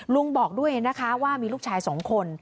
บอกด้วยนะคะว่ามีลูกชาย๒คน